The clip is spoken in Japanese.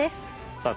さあ